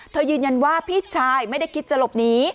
ยืนยันว่าพี่ชายไม่ได้คิดจะหลบหนี